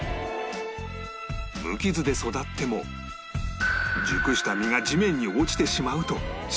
無傷で育っても熟した実が地面に落ちてしまうと商品にならない